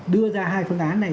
đưa ra hai phương án này